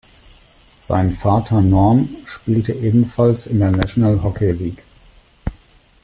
Sein Vater Norm spielte ebenfalls in der National Hockey League.